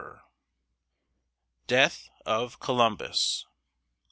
XIV. DEATH OF COLUMBUS.